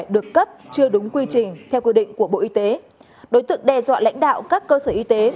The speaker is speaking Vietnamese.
được cấp chưa đúng quy trình theo quy định của bộ y tế đối tượng đe dọa lãnh đạo các cơ sở y tế